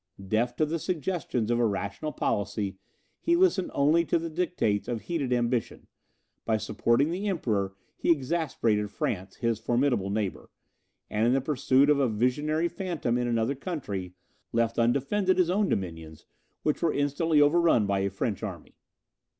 Deaf to the suggestions of a rational policy, he listened only to the dictates of heated ambition; by supporting the Emperor, he exasperated France, his formidable neighbour; and in the pursuit of a visionary phantom in another country, left undefended his own dominions, which were instantly overrun by a French army.